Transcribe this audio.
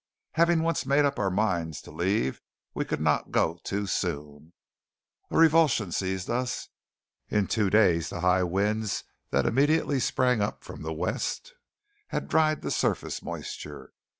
Having once made up our minds to leave, we could not go too soon. A revulsion seized us. In two days the high winds that immediately sprang up from the west had dried the surface moisture.